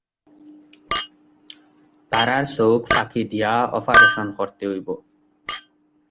তাদের চোখ ফাঁকি দিয়ে অপারেশন করতে হবে।